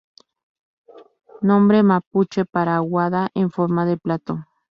Nombre mapuche para "aguada en forma de plato".